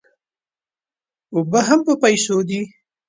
اوبه هم په پیسو دي.